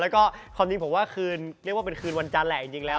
ความจริงผมว่าคืนเรียกว่าเป็นคืนวันจันทร์แหละ